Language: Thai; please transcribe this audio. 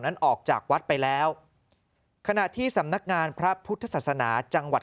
ออกจากวัดไปแล้วขณะที่สำนักงานพระพุทธศาสนาจังหวัด